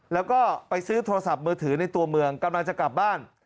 แล้วก็ไปซื้อโทรศัพท์มือถือในตัวเมืองกำลังจะกลับบ้าน